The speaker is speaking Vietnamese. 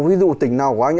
ví dụ tỉnh nào của anh